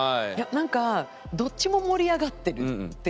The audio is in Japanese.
なんかどっちも盛り上がってるっていう。